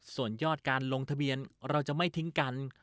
ส่วนยอดการลงทะเบียนเราจะไม่ทิ้งกัน